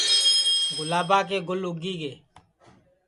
گُلابا کے گُل اُگی گے